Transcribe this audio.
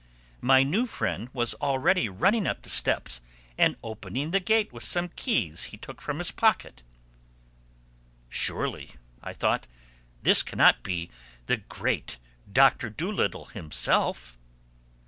My new friend was already running up the steps and opening the gate with some keys he took from his pocket. "Surely," I thought, "this cannot be the great Doctor Dolittle himself!"